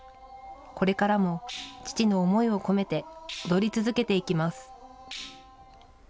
これからも父の思いを込めて、踊り続けていきます。